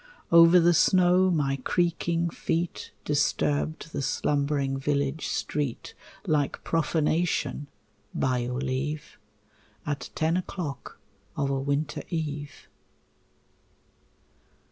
Over the snow my creaking feet Disturbed the slumbering village street Like profanation, by your leave, At ten o'clock of a winter eve.